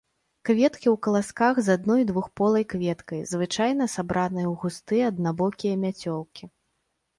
Кветкі ў каласках з адной двухполай кветкай, звычайна сабраныя ў густыя аднабокія мяцёлкі.